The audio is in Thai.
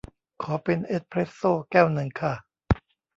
ขอเป็นเอสเพรสโซแก้วนึงค่ะ